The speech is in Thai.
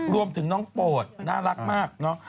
รวมถึงน้องโปรดน่ารักมากเนอะ